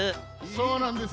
そうなんですよ。